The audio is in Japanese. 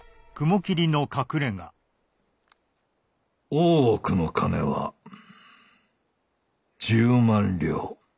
大奥の金は１０万両。